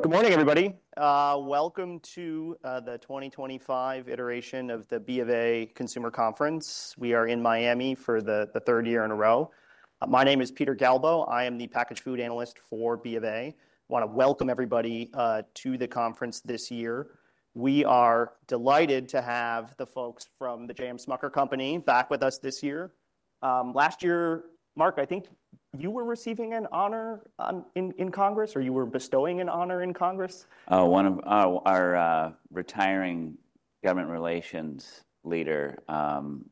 Good morning, everybody. Welcome to the 2025 iteration of the B of A Consumer Conference. We are in Miami for the third year in a row. My name is Peter Galbo. I am the packaged food analyst for B of A. I want to welcome everybody to the conference this year. We are delighted to have the folks from the J.M. Smucker Company back with us this year. Last year, Mark, I think you were receiving an honor in Congress, or you were bestowing an honor in Congress? One of our retiring government relations leader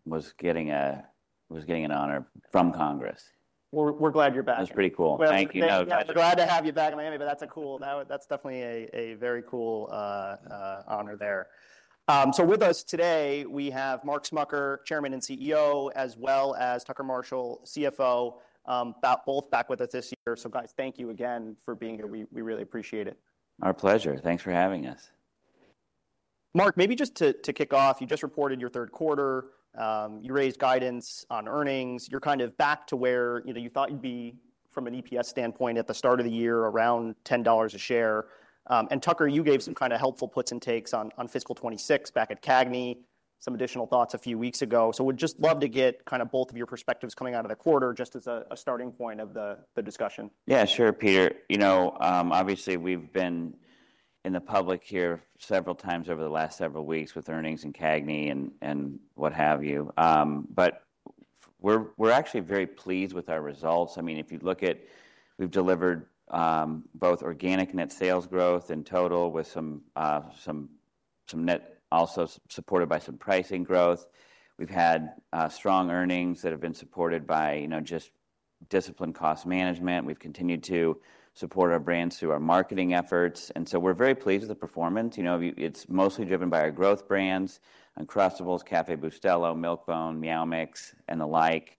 was getting an honor from Congress. We're glad you're back. That's pretty cool. Thank you. Glad to have you back in Miami, but that's a cool—that's definitely a very cool honor there. With us today, we have Mark Smucker, Chairman and CEO, as well as Tucker Marshall, CFO, both back with us this year. Guys, thank you again for being here. We really appreciate it. Our pleasure. Thanks for having us. Mark, maybe just to kick off, you just reported your third quarter. You raised guidance on earnings. You're kind of back to where you thought you'd be from an EPS standpoint at the start of the year, around $10 a share. Tucker, you gave some kind of helpful puts and takes on fiscal 2026 back at CAGNY, some additional thoughts a few weeks ago. We'd just love to get kind of both of your perspectives coming out of the quarter just as a starting point of the discussion. Yeah, sure, Peter. You know, obviously, we've been in the public here several times over the last several weeks with earnings and CAGNY and what have you. We're actually very pleased with our results. I mean, if you look at, we've delivered both organic net sales growth in total with some net also supported by some pricing growth. We've had strong earnings that have been supported by just disciplined cost management. We've continued to support our brands through our marketing efforts. We are very pleased with the performance. It's mostly driven by our growth brands: Uncrustables, Café Bustelo, Milk-Bone, Meow Mix, and the like.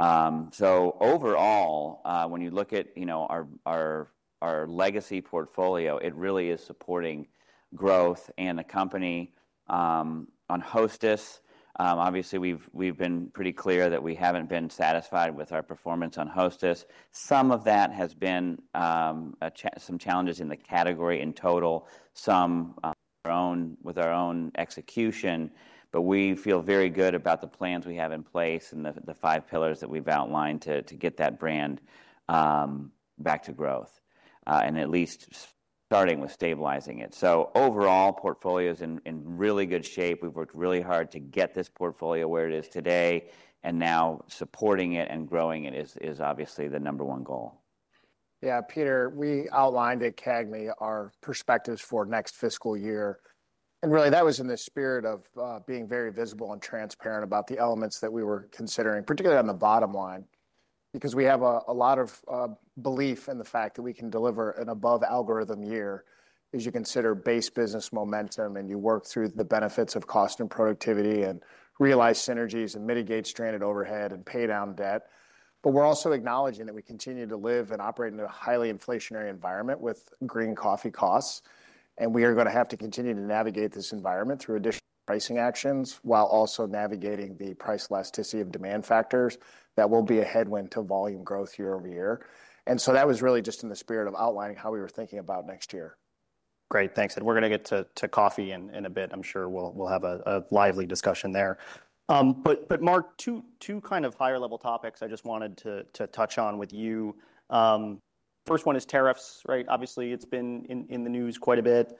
Overall, when you look at our legacy portfolio, it really is supporting growth and the company on Hostess. Obviously, we've been pretty clear that we haven't been satisfied with our performance on Hostess. Some of that has been some challenges in the category in total, some with our own execution. We feel very good about the plans we have in place and the five pillars that we've outlined to get that brand back to growth and at least starting with stabilizing it. Overall, portfolio is in really good shape. We've worked really hard to get this portfolio where it is today. Now supporting it and growing it is obviously the number one goal. Yeah, Peter, we outlined at CAGNY our perspectives for next fiscal year. That was in the spirit of being very visible and transparent about the elements that we were considering, particularly on the bottom line, because we have a lot of belief in the fact that we can deliver an above-algorithm year as you consider base business momentum and you work through the benefits of cost and productivity and realize synergies and mitigate stranded overhead and pay down debt. We are also acknowledging that we continue to live and operate in a highly inflationary environment with green coffee costs. We are going to have to continue to navigate this environment through additional pricing actions while also navigating the price elasticity of demand factors that will be a headwind to volume growth year over year. That was really just in the spirit of outlining how we were thinking about next year. Great, thanks. We are going to get to coffee in a bit. I am sure we will have a lively discussion there. Mark, two kind of higher-level topics I just wanted to touch on with you. First one is tariffs, right? Obviously, it has been in the news quite a bit.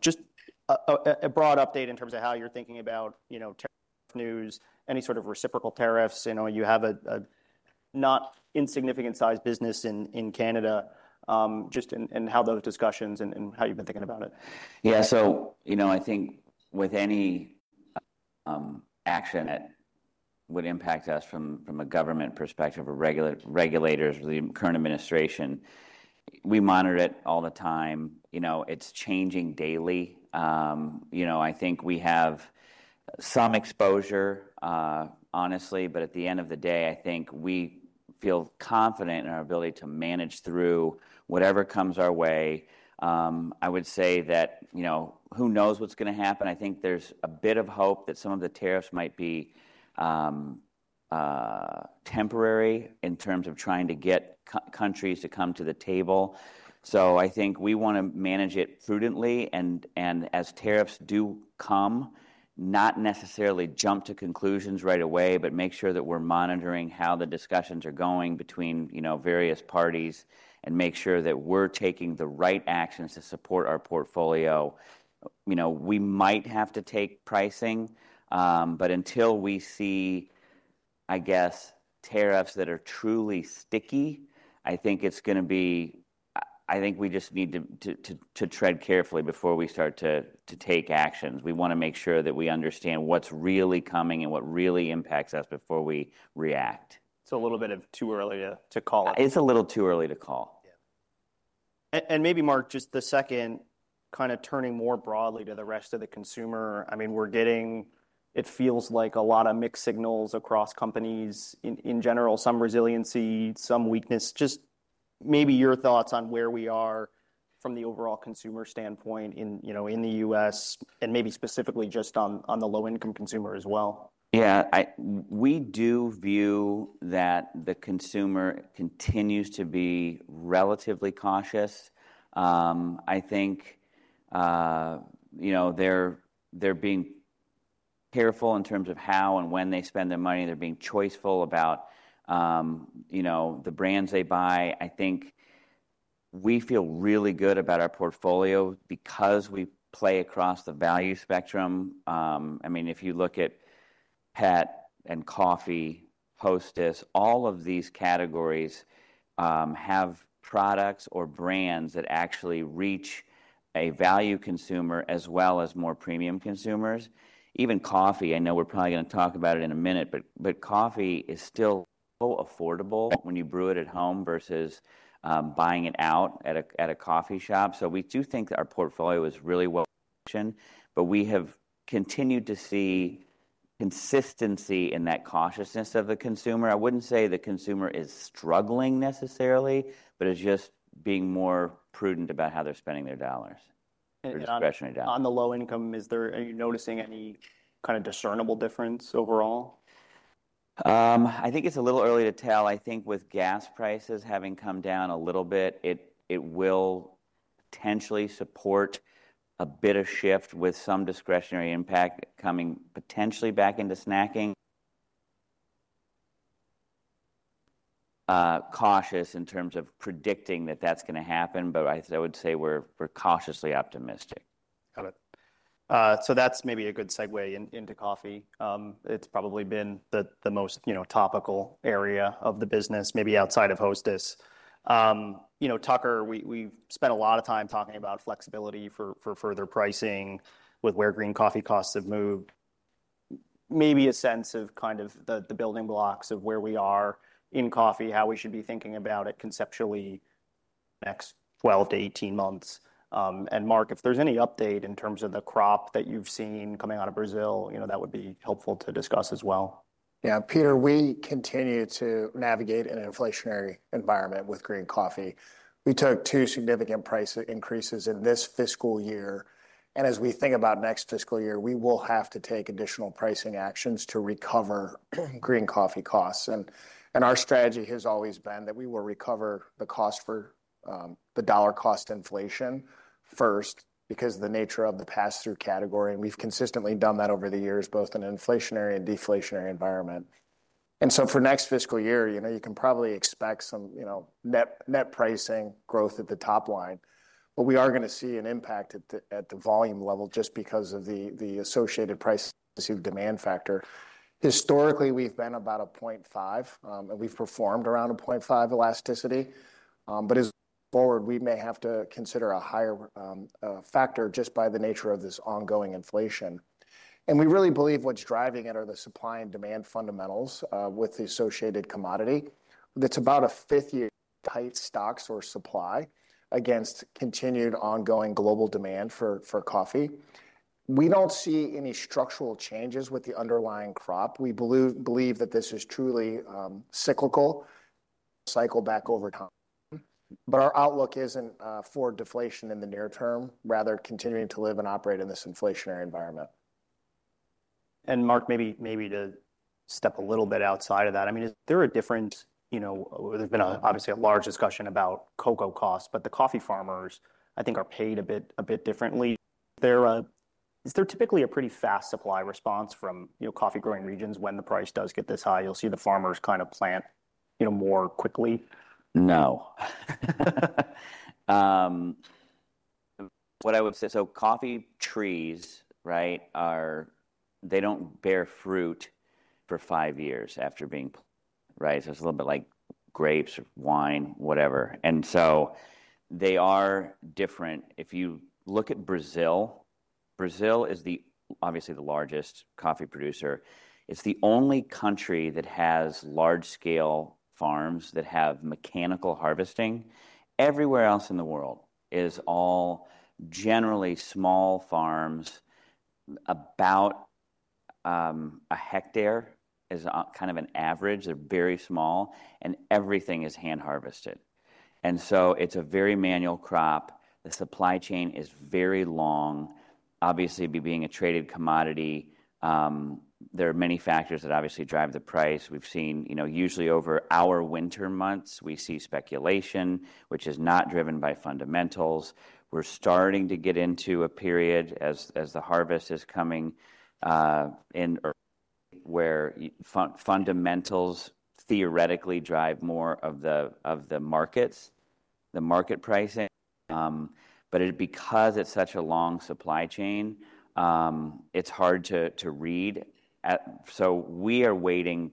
Just a broad update in terms of how you are thinking about tariff news, any sort of reciprocal tariffs. You have a not insignificant-sized business in Canada. Just in how those discussions and how you have been thinking about it. Yeah, so you know I think with any action that would impact us from a government perspective, or regulators, or the current administration, we monitor it all the time. It's changing daily. You know I think we have some exposure, honestly, but at the end of the day, I think we feel confident in our ability to manage through whatever comes our way. I would say that who knows what's going to happen. I think there's a bit of hope that some of the tariffs might be temporary in terms of trying to get countries to come to the table. You know I think we want to manage it prudently. As tariffs do come, not necessarily jump to conclusions right away, but make sure that we're monitoring how the discussions are going between various parties and make sure that we're taking the right actions to support our portfolio. We might have to take pricing, but until we see, I guess, tariffs that are truly sticky, I think it is going to be—I think we just need to tread carefully before we start to take actions. We want to make sure that we understand what is really coming and what really impacts us before we react. It's a little bit too early to call it. It's a little too early to call. Maybe, Mark, just the second kind of turning more broadly to the rest of the consumer. I mean, we're getting—it feels like a lot of mixed signals across companies in general, some resiliency, some weakness. Just maybe your thoughts on where we are from the overall consumer standpoint in the U.S. and maybe specifically just on the low-income consumer as well. Yeah, we do view that the consumer continues to be relatively cautious. I think they're being careful in terms of how and when they spend their money. They're being choiceful about the brands they buy. I think we feel really good about our portfolio because we play across the value spectrum. I mean, if you look at pet and coffee, Hostess, all of these categories have products or brands that actually reach a value consumer as well as more premium consumers. Even coffee, I know we're probably going to talk about it in a minute, but coffee is still affordable when you brew it at home versus buying it out at a coffee shop. We do think that our portfolio is really well positioned, but we have continued to see consistency in that cautiousness of the consumer. I wouldn't say the consumer is struggling necessarily, but it's just being more prudent about how they're spending their dollars, their discretionary dollars. On the low income, are you noticing any kind of discernible difference overall? I think it's a little early to tell. I think with gas prices having come down a little bit, it will potentially support a bit of shift with some discretionary impact coming potentially back into snacking. Cautious in terms of predicting that that's going to happen, but I would say we're cautiously optimistic. Got it. That is maybe a good segue into coffee. It has probably been the most topical area of the business, maybe outside of Hostess. Tucker, we have spent a lot of time talking about flexibility for further pricing with where green coffee costs have moved. Maybe a sense of kind of the building blocks of where we are in coffee, how we should be thinking about it conceptually next 12 to 18 months. Mark, if there is any update in terms of the crop that you have seen coming out of Brazil, that would be helpful to discuss as well. Yeah. Peter, we continue to navigate an inflationary environment with green coffee. We took two significant price increases in this fiscal year. As we think about next fiscal year, we will have to take additional pricing actions to recover green coffee costs. Our strategy has always been that we will recover the cost for the dollar cost inflation first because of the nature of the pass-through category. We have consistently done that over the years, both in an inflationary and deflationary environment. For next fiscal year, you can probably expect some net pricing growth at the top line. We are going to see an impact at the volume level just because of the associated price-associated demand factor. Historically, we have been about a 0.5, and we have performed around a 0.5 elasticity. As we move forward, we may have to consider a higher factor just by the nature of this ongoing inflation. We really believe what is driving it are the supply and demand fundamentals with the associated commodity. It is about a fifth-year tight stocks or supply against continued ongoing global demand for coffee. We do not see any structural changes with the underlying crop. We believe that this is truly cyclical, cycle back over time. Our outlook is not for deflation in the near term, rather continuing to live and operate in this inflationary environment. Mark, maybe to step a little bit outside of that, I mean, is there a different—there has been obviously a large discussion about cocoa costs, but the coffee farmers, I think, are paid a bit differently. Is there typically a pretty fast supply response from coffee-growing regions when the price does get this high? You will see the farmers kind of plant more quickly. No. What I would say, coffee trees, right, they do not bear fruit for five years after being planted, right? It is a little bit like grapes, wine, whatever. They are different. If you look at Brazil, Brazil is obviously the largest coffee producer. It is the only country that has large-scale farms that have mechanical harvesting. Everywhere else in the world is all generally small farms. About a hectare is kind of an average. They are very small, and everything is hand-harvested. It is a very manual crop. The supply chain is very long. Obviously, being a traded commodity, there are many factors that obviously drive the price. We have seen usually over our winter months, we see speculation, which is not driven by fundamentals. We are starting to get into a period as the harvest is coming in where fundamentals theoretically drive more of the markets, the market pricing. Because it is such a long supply chain, it is hard to read. We are waiting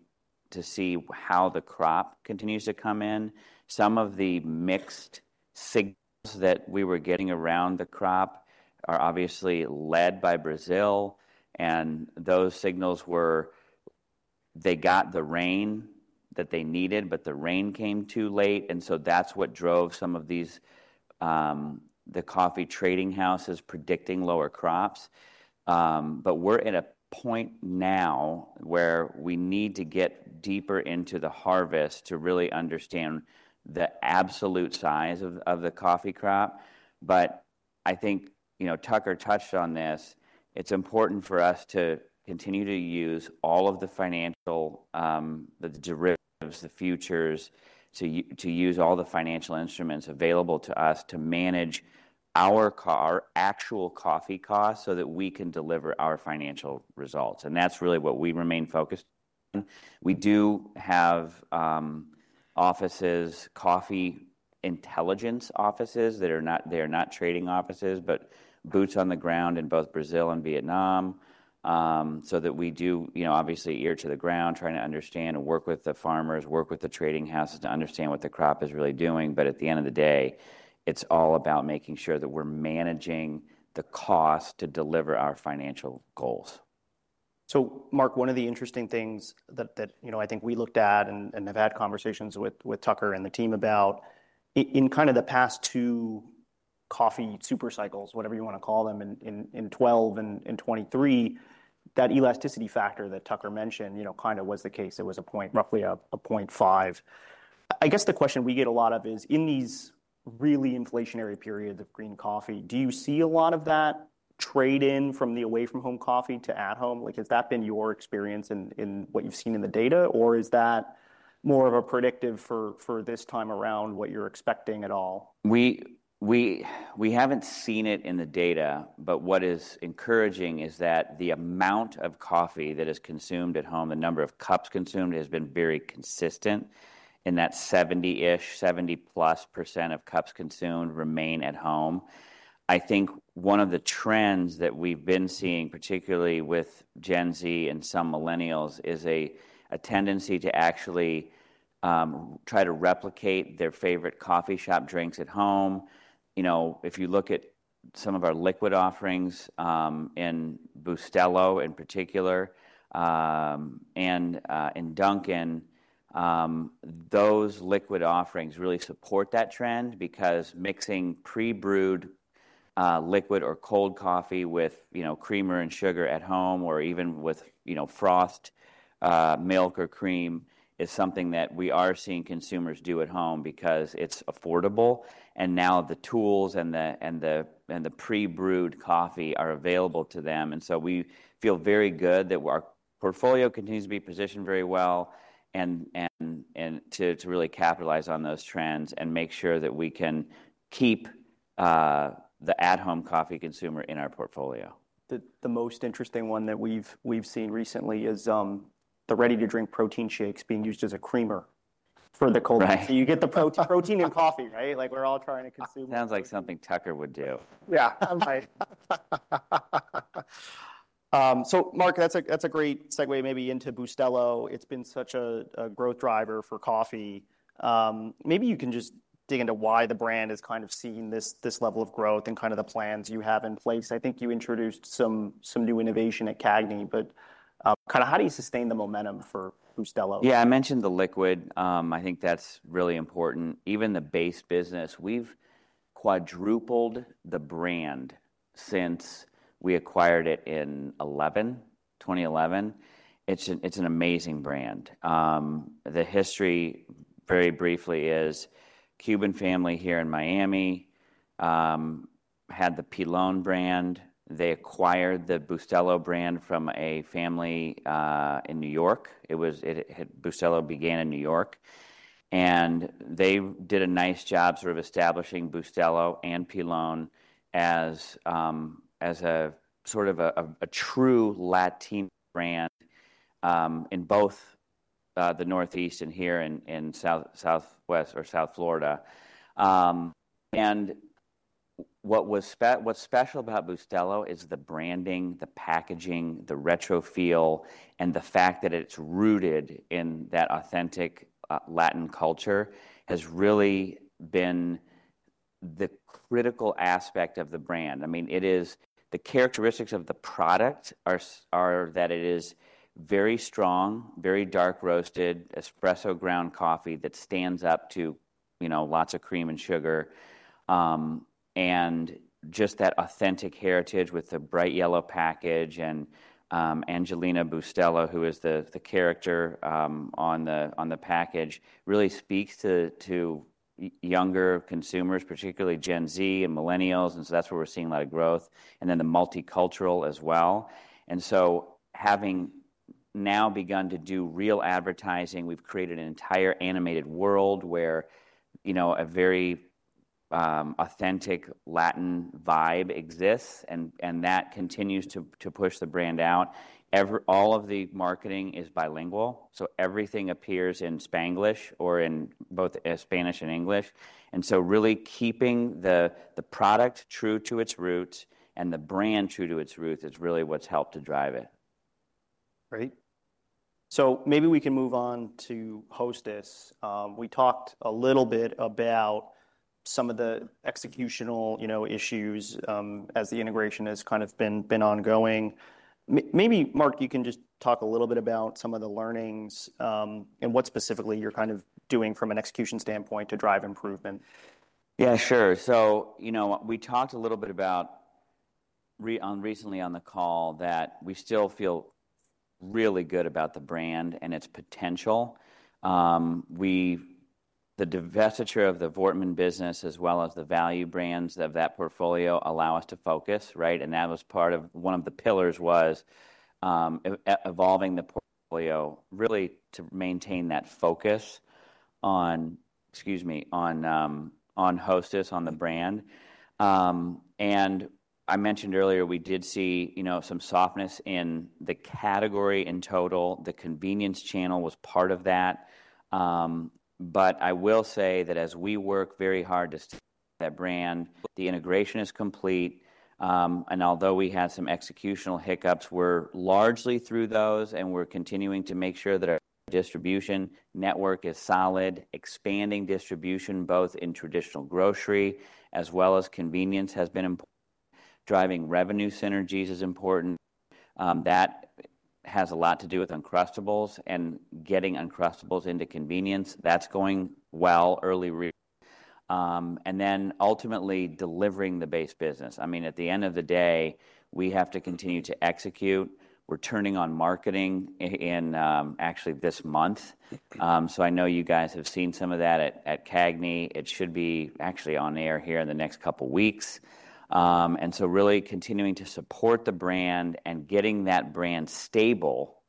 to see how the crop continues to come in. Some of the mixed signals that we were getting around the crop are obviously led by Brazil. Those signals were they got the rain that they needed, but the rain came too late. That is what drove some of the coffee trading houses predicting lower crops. We are at a point now where we need to get deeper into the harvest to really understand the absolute size of the coffee crop. I think Tucker touched on this. It is important for us to continue to use all of the financial, the derivatives, the futures, to use all the financial instruments available to us to manage our actual coffee costs so that we can deliver our financial results. That is really what we remain focused on. We do have offices, coffee intelligence offices. They are not trading offices, but boots on the ground in both Brazil and Vietnam. We do, obviously, ear to the ground, trying to understand and work with the farmers, work with the trading houses to understand what the crop is really doing. At the end of the day, it is all about making sure that we are managing the cost to deliver our financial goals. Mark, one of the interesting things that I think we looked at and have had conversations with Tucker and the team about in kind of the past two coffee super cycles, whatever you want to call them, in 2012 and 2023, that elasticity factor that Tucker mentioned kind of was the case. It was roughly a 0.5. I guess the question we get a lot of is, in these really inflationary periods of green coffee, do you see a lot of that trade-in from the away-from-home coffee to at-home? Has that been your experience in what you've seen in the data, or is that more of a predictive for this time around what you're expecting at all? We haven't seen it in the data, but what is encouraging is that the amount of coffee that is consumed at home, the number of cups consumed, has been very consistent in that 70%-plus of cups consumed remain at home. I think one of the trends that we've been seeing, particularly with Gen Z and some millennials, is a tendency to actually try to replicate their favorite coffee shop drinks at home. If you look at some of our liquid offerings in Café Bustelo in particular and in Dunkin', those liquid offerings really support that trend because mixing pre-brewed liquid or cold coffee with creamer and sugar at home or even with frothed milk or cream is something that we are seeing consumers do at home because it's affordable. Now the tools and the pre-brewed coffee are available to them. We feel very good that our portfolio continues to be positioned very well and to really capitalize on those trends and make sure that we can keep the at-home coffee consumer in our portfolio. The most interesting one that we've seen recently is the ready-to-drink protein shakes being used as a creamer for the cold coffee. You get the protein in coffee, right? Like we're all trying to consume. Sounds like something Tucker would do. Yeah. Mark, that's a great segue maybe into Bustelo. It's been such a growth driver for coffee. Maybe you can just dig into why the brand is kind of seeing this level of growth and kind of the plans you have in place. I think you introduced some new innovation at CAGNY, but kind of how do you sustain the momentum for Bustelo? Yeah, I mentioned the liquid. I think that's really important. Even the base business, we've quadrupled the brand since we acquired it in 2011. It's an amazing brand. The history, very briefly, is Cuban family here in Miami had the Pilon brand. They acquired the Bustelo brand from a family in New York. Bustelo began in New York. They did a nice job sort of establishing Bustelo and Pilon as a sort of a true Latino brand in both the Northeast and here in South Florida. What's special about Bustelo is the branding, the packaging, the retro feel, and the fact that it's rooted in that authentic Latin culture has really been the critical aspect of the brand. I mean, the characteristics of the product are that it is very strong, very dark roasted espresso ground coffee that stands up to lots of cream and sugar. Just that authentic heritage with the bright yellow package and Angelina Bustelo, who is the character on the package, really speaks to younger consumers, particularly Gen Z and millennials. That is where we are seeing a lot of growth and then the multicultural as well. Having now begun to do real advertising, we have created an entire animated world where a very authentic Latin vibe exists, and that continues to push the brand out. All of the marketing is bilingual, so everything appears in Spanglish or in both Spanish and English. Really keeping the product true to its roots and the brand true to its roots is really what has helped to drive it. Great. Maybe we can move on to Hostess. We talked a little bit about some of the executional issues as the integration has kind of been ongoing. Maybe, Mark, you can just talk a little bit about some of the learnings and what specifically you're kind of doing from an execution standpoint to drive improvement. Yeah, sure. We talked a little bit recently on the call that we still feel really good about the brand and its potential. The divestiture of the Voortman business as well as the value brands of that portfolio allow us to focus, right? That was part of one of the pillars, evolving the portfolio really to maintain that focus on Hostess, on the brand. I mentioned earlier, we did see some softness in the category in total. The convenience channel was part of that. I will say that as we work very hard to stay with that brand, the integration is complete. Although we had some executional hiccups, we're largely through those, and we're continuing to make sure that our distribution network is solid. Expanding distribution, both in traditional grocery as well as convenience, has been important. Driving revenue synergies is important. That has a lot to do with Uncrustables and getting Uncrustables into convenience. That's going well early. Ultimately delivering the base business. I mean, at the end of the day, we have to continue to execute. We're turning on marketing in actually this month. I know you guys have seen some of that at CAGNY. It should be actually on air here in the next couple of weeks. Really continuing to support the brand and getting that brand stable.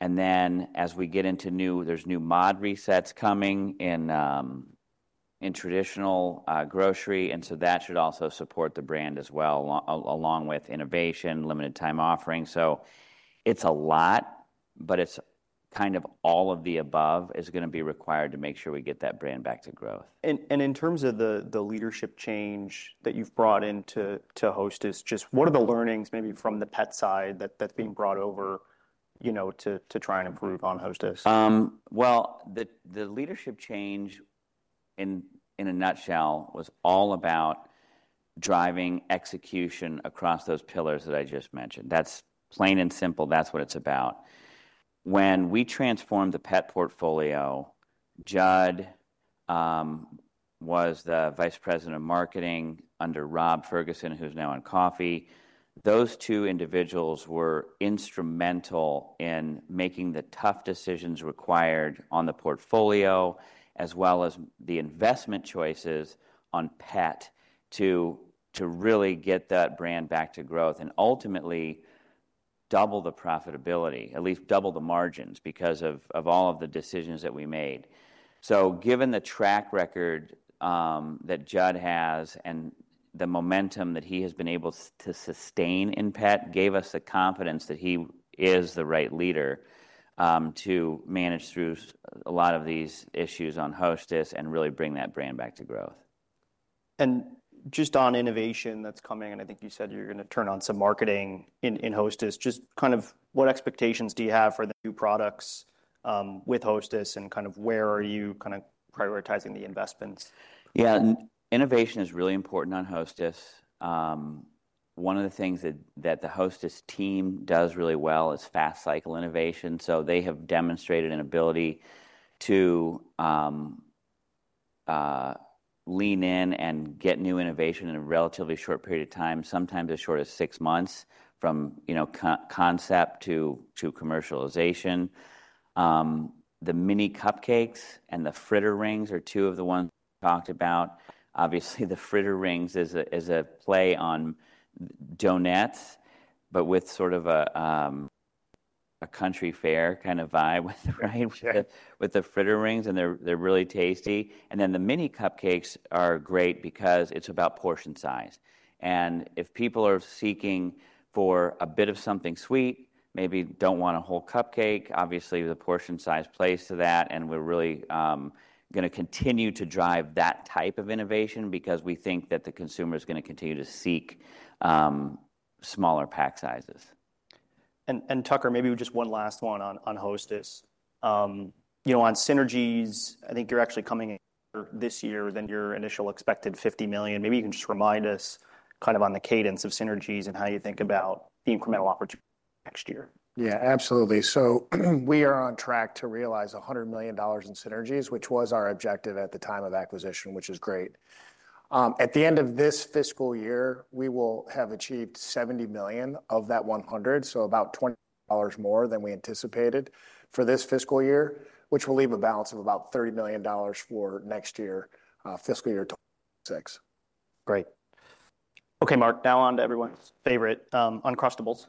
As we get into new, there's new mod resets coming in traditional grocery. That should also support the brand as well, along with innovation, limited-time offering. It's a lot, but it's kind of all of the above is going to be required to make sure we get that brand back to growth. In terms of the leadership change that you've brought into Hostess, just what are the learnings maybe from the pet side that's being brought over to try and improve on Hostess? The leadership change in a nutshell was all about driving execution across those pillars that I just mentioned. That's plain and simple. That's what it's about. When we transformed the pet portfolio, Judd was the Vice President of Marketing under Rob Ferguson, who's now on coffee. Those two individuals were instrumental in making the tough decisions required on the portfolio as well as the investment choices on pet to really get that brand back to growth and ultimately double the profitability, at least double the margins because of all of the decisions that we made. Given the track record that Judd has and the momentum that he has been able to sustain in pet, gave us the confidence that he is the right leader to manage through a lot of these issues on Hostess and really bring that brand back to growth. Just on innovation that's coming, and I think you said you're going to turn on some marketing in Hostess, just kind of what expectations do you have for the new products with Hostess and kind of where are you kind of prioritizing the investments? Yeah, innovation is really important on Hostess. One of the things that the Hostess team does really well is fast-cycle innovation. They have demonstrated an ability to lean in and get new innovation in a relatively short period of time, sometimes as short as six months from concept to commercialization. The mini cupcakes and the fritter rings are two of the ones we talked about. Obviously, the fritter rings is a play on donuts, but with sort of a country fair kind of vibe with the fritter rings, and they're really tasty. The mini cupcakes are great because it's about portion size. If people are seeking for a bit of something sweet, maybe don't want a whole cupcake, obviously the portion size plays to that. We are really going to continue to drive that type of innovation because we think that the consumer is going to continue to seek smaller pack sizes. Tucker, maybe just one last one on Hostess. On synergies, I think you are actually coming in this year higher than your initial expected $50 million. Maybe you can just remind us kind of on the cadence of synergies and how you think about the incremental opportunity next year. Yeah, absolutely. We are on track to realize $100 million in synergies, which was our objective at the time of acquisition, which is great. At the end of this fiscal year, we will have achieved $70 million of that $100 million, so about $20 million more than we anticipated for this fiscal year, which will leave a balance of about $30 million for next year, fiscal year 2026. Great. Okay, Mark, now on to everyone's favorite, Uncrustables.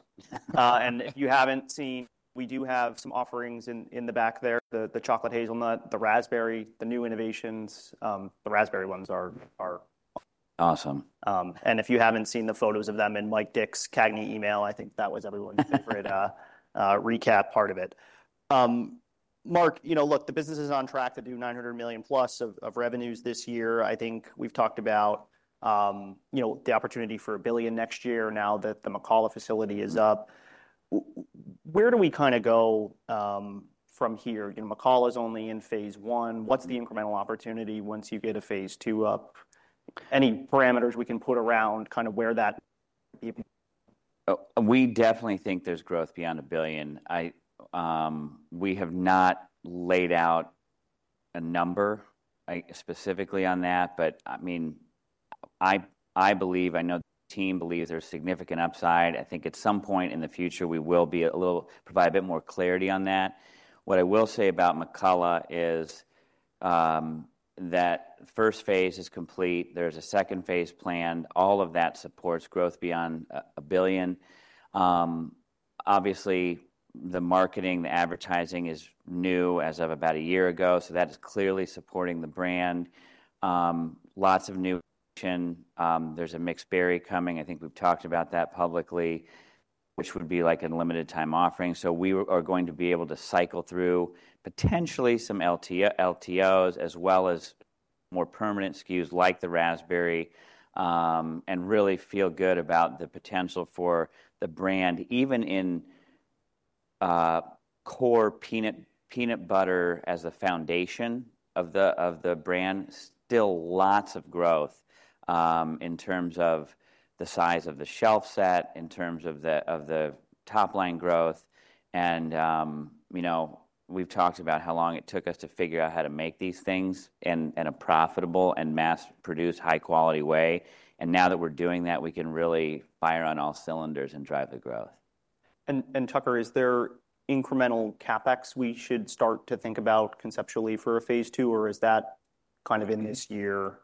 If you haven't seen, we do have some offerings in the back there, the chocolate hazelnut, the raspberry, the new innovations. The raspberry ones are. Awesome. If you haven't seen the photos of them in Mike Dick's CAGNY email, I think that was everyone's favorite recap part of it. Mark, you know, look, the business is on track to do $900 million plus of revenues this year. I think we've talked about the opportunity for a billion next year now that the McCalla facility is up. Where do we kind of go from here? McCalla is only in phase one. What's the incremental opportunity once you get a phase two up? Any parameters we can put around kind of where that might be? We definitely think there's growth beyond a billion. We have not laid out a number specifically on that, but I mean, I believe, I know the team believes there's significant upside. I think at some point in the future, we will provide a bit more clarity on that. What I will say about McCalla is that first phase is complete. There's a second phase planned. All of that supports growth beyond a billion. Obviously, the marketing, the advertising is new as of about a year ago, so that is clearly supporting the brand. Lots of new innovation. There's a mixed berry coming. I think we've talked about that publicly, which would be like a limited-time offering. We are going to be able to cycle through potentially some LTOs as well as more permanent SKUs like the raspberry and really feel good about the potential for the brand, even in core peanut butter as the foundation of the brand. Still lots of growth in terms of the size of the shelf set, in terms of the top line growth. We have talked about how long it took us to figure out how to make these things in a profitable and mass-produced high-quality way. Now that we are doing that, we can really fire on all cylinders and drive the growth. Tucker, is there incremental CapEx we should start to think about conceptually for a phase two, or is that kind of in this year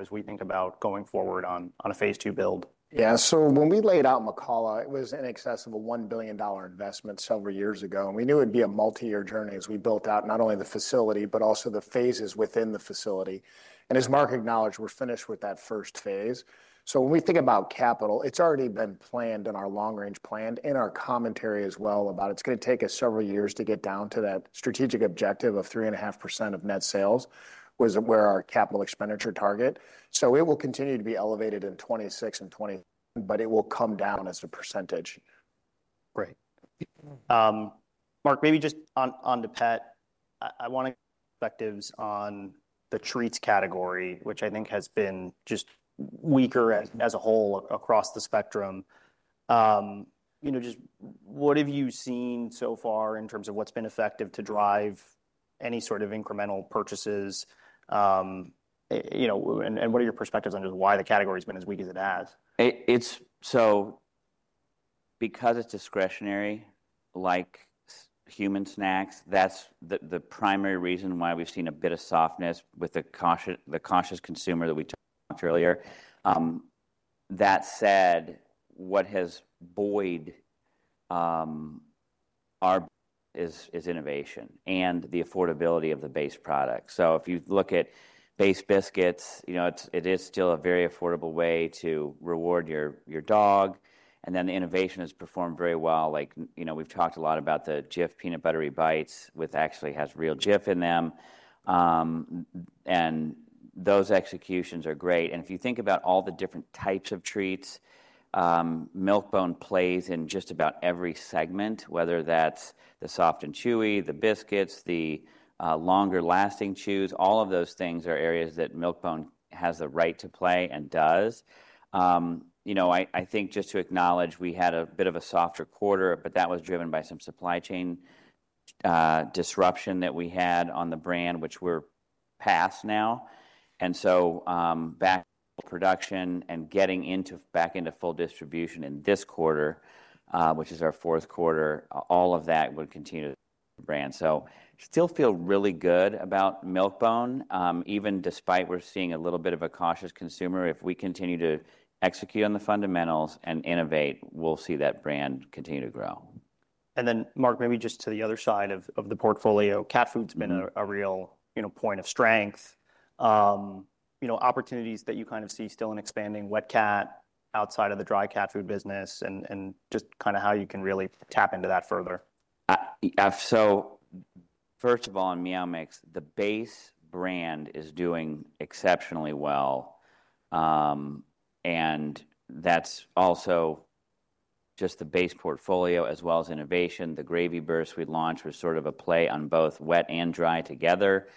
as we think about going forward on a phase two build? Yeah, so when we laid out McCalla, it was an accessible $1 billion investment several years ago. We knew it'd be a multi-year journey as we built out not only the facility, but also the phases within the facility. As Mark acknowledged, we're finished with that first phase. When we think about capital, it's already been planned in our long-range plan and our commentary as well about it's going to take us several years to get down to that strategic objective of 3.5% of net sales was where our capital expenditure target. It will continue to be elevated in 2026 and 2027, but it will come down as a percentage. Great. Mark, maybe just on the pet, I want to get perspectives on the treats category, which I think has been just weaker as a whole across the spectrum. Just what have you seen so far in terms of what's been effective to drive any sort of incremental purchases? What are your perspectives on just why the category has been as weak as it has? Because it is discretionary, like human snacks, that is the primary reason why we have seen a bit of softness with the conscious consumer that we talked about earlier. That said, what has buoyed our business is innovation and the affordability of the base product. If you look at base biscuits, it is still a very affordable way to reward your dog. The innovation has performed very well. We have talked a lot about the Jif peanut buttery bites, which actually have real Jif in them. Those executions are great. If you think about all the different types of treats, Milk-Bone plays in just about every segment, whether that is the soft and chewy, the biscuits, the longer-lasting chews, all of those things are areas that Milk-Bone has the right to play and does. I think just to acknowledge we had a bit of a softer quarter, but that was driven by some supply chain disruption that we had on the brand, which we're past now. We are back to production and getting back into full distribution in this quarter, which is our fourth quarter. All of that would continue to drive the brand. I still feel really good about Milk-Bone, even despite we're seeing a little bit of a cautious consumer. If we continue to execute on the fundamentals and innovate, we'll see that brand continue to grow. Mark, maybe just to the other side of the portfolio, cat food's been a real point of strength. Opportunities that you kind of see still in expanding wet cat outside of the dry cat food business and just kind of how you can really tap into that further. First of all, on Meow Mix, the base brand is doing exceptionally well. That's also just the base portfolio as well as innovation. The Gravy Burst we launched was sort of a play on both wet and dry together.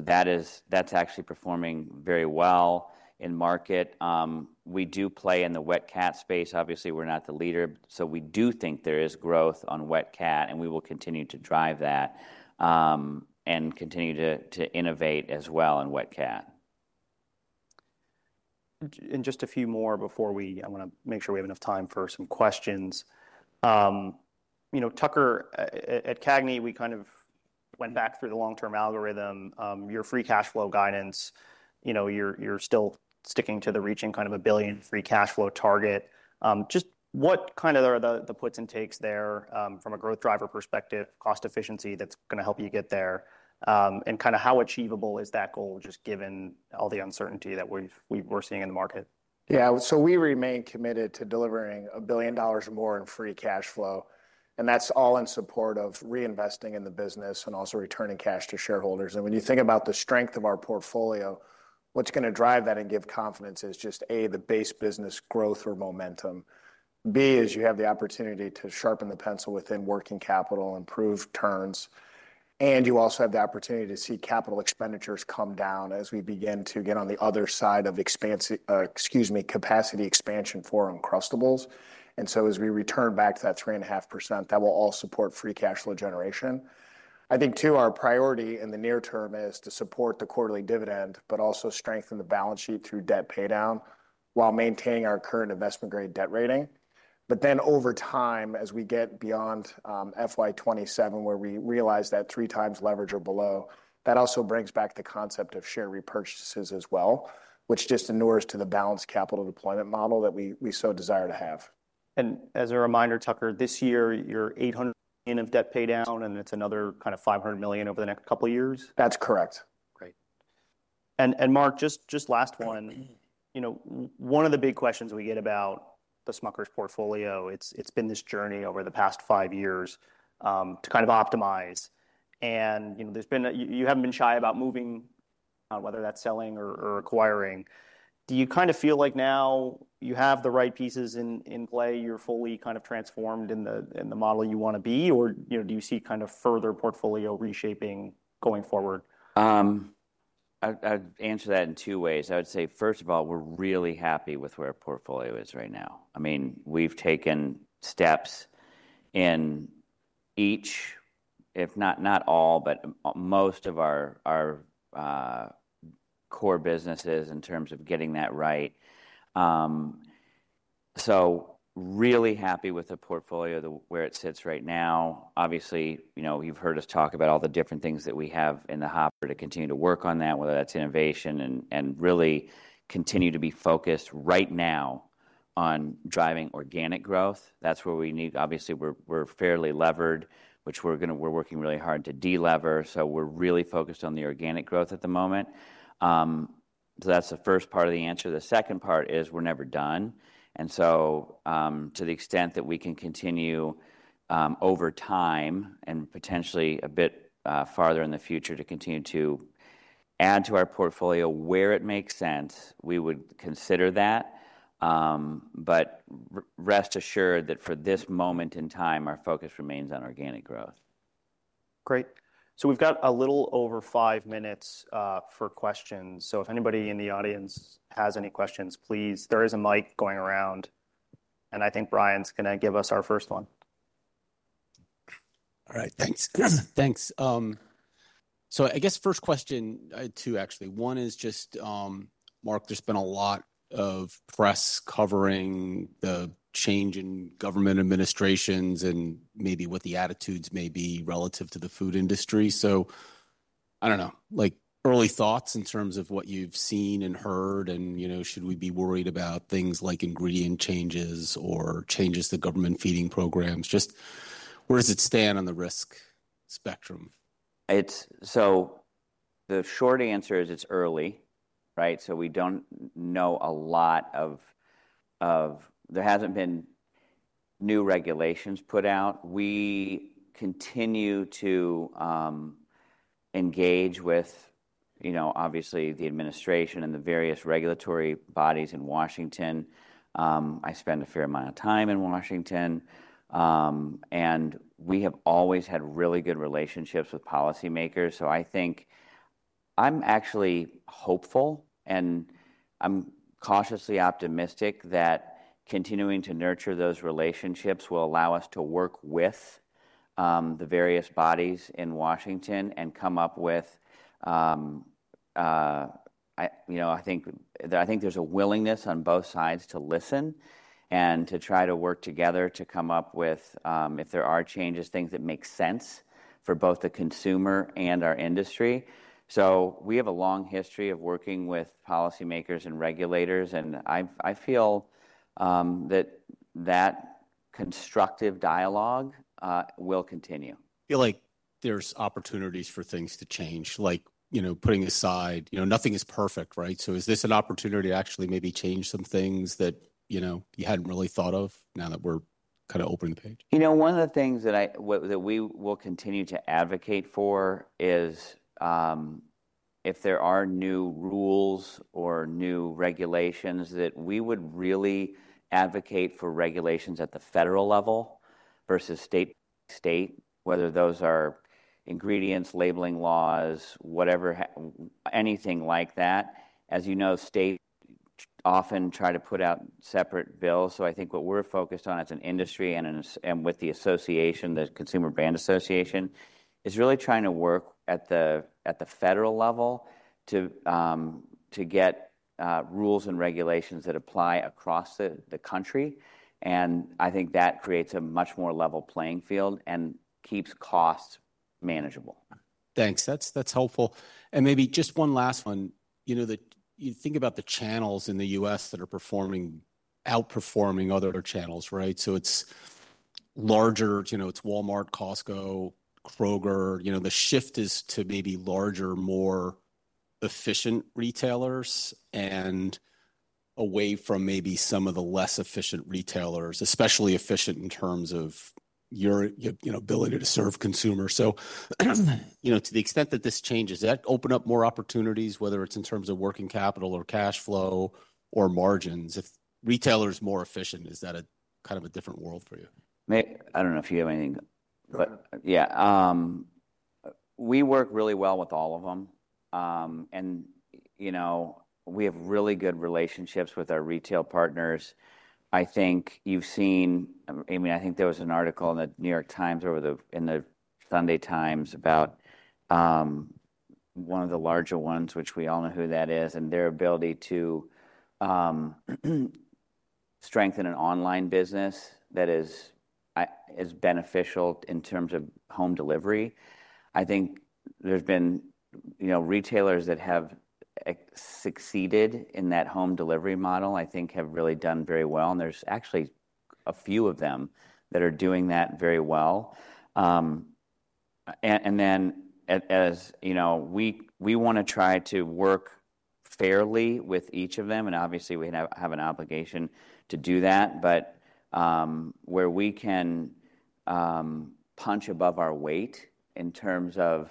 That's actually performing very well in market. We do play in the wet cat space. Obviously, we're not the leader, so we do think there is growth on wet cat, and we will continue to drive that and continue to innovate as well in wet cat. Just a few more before we, I want to make sure we have enough time for some questions. Tucker, at CAGNY, we kind of went back through the long-term algorithm, your free cash flow guidance. You're still sticking to the reaching kind of a billion free cash flow target. Just what kind of are the puts and takes there from a growth driver perspective, cost efficiency that's going to help you get there? And kind of how achievable is that goal just given all the uncertainty that we're seeing in the market? Yeah, we remain committed to delivering a billion dollars more in free cash flow. That is all in support of reinvesting in the business and also returning cash to shareholders. When you think about the strength of our portfolio, what is going to drive that and give confidence is just, A, the base business growth or momentum. B, you have the opportunity to sharpen the pencil within working capital, improve turns. You also have the opportunity to see capital expenditures come down as we begin to get on the other side of capacity expansion for Uncrustables. As we return back to that 3.5%, that will all support free cash flow generation. I think too our priority in the near term is to support the quarterly dividend, but also strengthen the balance sheet through debt paydown while maintaining our current investment-grade debt rating. Then over time, as we get beyond FY2027, where we realize that three times leverage or below, that also brings back the concept of share repurchases as well, which just inures to the balanced capital deployment model that we so desire to have. As a reminder, Tucker, this year you're $800 million of debt paydown, and it's another kind of $500 million over the next couple of years? That's correct. Great. Mark, just last one. One of the big questions we get about the Smucker's portfolio, it's been this journey over the past five years to kind of optimize. You haven't been shy about moving, whether that's selling or acquiring. Do you kind of feel like now you have the right pieces in play? You're fully kind of transformed in the model you want to be? Do you see kind of further portfolio reshaping going forward? I'd answer that in two ways. I would say, first of all, we're really happy with where our portfolio is right now. I mean, we've taken steps in each, if not all, but most of our core businesses in terms of getting that right. Really happy with the portfolio where it sits right now. Obviously, you've heard us talk about all the different things that we have in the hopper to continue to work on that, whether that's innovation and really continue to be focused right now on driving organic growth. That's where we need, obviously, we're fairly levered, which we're working really hard to de-lever. We're really focused on the organic growth at the moment. That's the first part of the answer. The second part is we're never done. To the extent that we can continue over time and potentially a bit farther in the future to continue to add to our portfolio where it makes sense, we would consider that. Rest assured that for this moment in time, our focus remains on organic growth. Great. We have a little over five minutes for questions. If anybody in the audience has any questions, please, there is a mic going around. I think Bryan is going to give us our first one. All right, thanks. Thanks. I guess first question too, actually. One is just, Mark, there's been a lot of press covering the change in government administrations and maybe what the attitudes may be relative to the food industry. I don't know, early thoughts in terms of what you've seen and heard and should we be worried about things like ingredient changes or changes to government feeding programs? Just where does it stand on the risk spectrum? The short answer is it's early, right? We don't know a lot, there hasn't been new regulations put out. We continue to engage with, obviously, the administration and the various regulatory bodies in Washington. I spend a fair amount of time in Washington. We have always had really good relationships with policymakers. I think I'm actually hopeful and I'm cautiously optimistic that continuing to nurture those relationships will allow us to work with the various bodies in Washington and come up with, I think there's a willingness on both sides to listen and to try to work together to come up with, if there are changes, things that make sense for both the consumer and our industry. We have a long history of working with policymakers and regulators. I feel that that constructive dialogue will continue. Feel like there's opportunities for things to change, like putting aside nothing is perfect, right? Is this an opportunity to actually maybe change some things that you hadn't really thought of now that we're kind of opening the page? You know, one of the things that we will continue to advocate for is if there are new rules or new regulations that we would really advocate for regulations at the federal level versus state by state, whether those are ingredients, labeling laws, whatever, anything like that. As you know, states often try to put out separate bills. I think what we're focused on as an industry and with the association, the Consumer Brands Association, is really trying to work at the federal level to get rules and regulations that apply across the country. I think that creates a much more level playing field and keeps costs manageable. Thanks. That's helpful. Maybe just one last one. You think about the channels in the U.S. that are outperforming other channels, right? It's larger, it's Walmart, Costco, Kroger. The shift is to maybe larger, more efficient retailers and away from maybe some of the less efficient retailers, especially efficient in terms of your ability to serve consumers. To the extent that this changes, that open up more opportunities, whether it's in terms of working capital or cash flow or margins, if retailer is more efficient, is that a kind of a different world for you? I don't know if you have anything. Yeah. We work really well with all of them. And we have really good relationships with our retail partners. I think you've seen, I mean, I think there was an article in The New York Times or in the Sunday Times about one of the larger ones, which we all know who that is, and their ability to strengthen an online business that is beneficial in terms of home delivery. I think there's been retailers that have succeeded in that home delivery model, I think have really done very well. And there's actually a few of them that are doing that very well. And then we want to try to work fairly with each of them. And obviously, we have an obligation to do that. Where we can punch above our weight in terms of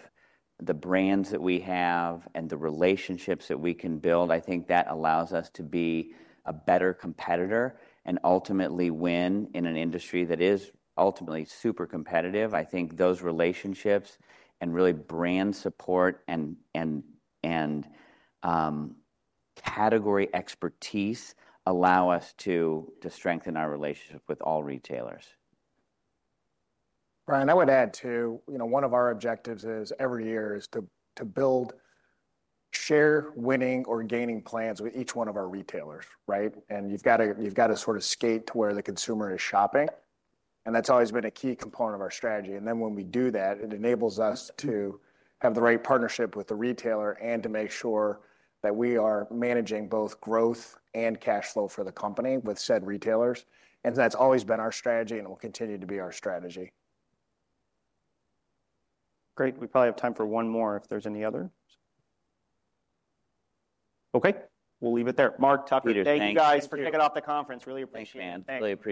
the brands that we have and the relationships that we can build, I think that allows us to be a better competitor and ultimately win in an industry that is ultimately super competitive. I think those relationships and really brand support and category expertise allow us to strengthen our relationship with all retailers. Bryan, I would add to one of our objectives every year is to build share-winning or gaining plans with each one of our retailers, right? You have got to sort of skate to where the consumer is shopping. That has always been a key component of our strategy. When we do that, it enables us to have the right partnership with the retailer and to make sure that we are managing both growth and cash flow for the company with said retailers. That has always been our strategy and will continue to be our strategy. Great. We probably have time for one more if there's any other. Okay. We'll leave it there. Mark, Tucker, thanks guys for kicking off the conference. Really appreciate it. Thanks, man. Thank you.